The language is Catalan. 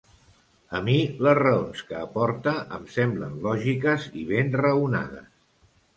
A mi, les raons que aporta em semblem lògiques i ben raonades.